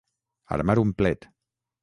Armar un plet.